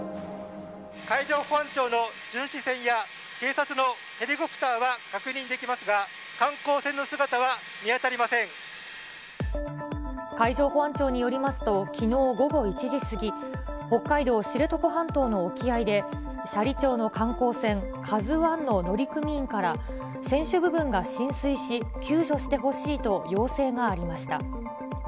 海上保安庁の巡視船や、警察のヘリコプターは確認できますが、海上保安庁によりますと、きのう午後１時過ぎ、北海道知床半島の沖合で、斜里町の観光船、カズ１の乗組員から、船首部分が浸水し、救助してほしいと要請がありました。